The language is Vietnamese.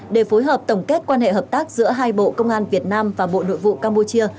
để phối hợp tổng kết quan hệ hợp tác giữa hai bộ công an việt nam và bộ nội vụ campuchia